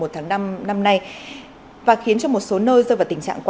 một tháng năm năm nay và khiến một số nơi rơi vào tình trạng